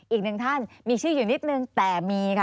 อีกหนึ่งท่านมีชื่ออยู่นิดนึงแต่มีค่ะ